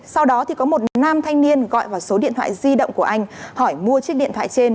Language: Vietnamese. sau đó có một nam thanh niên gọi vào số điện thoại di động của anh hỏi mua chiếc điện thoại trên